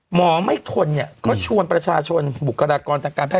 หมอไม่ทนเนี่ยเขาชวนประชาชนบุคลากรทางการแพท